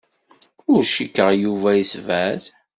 Ur cikkeɣ Yuba yessebɛed.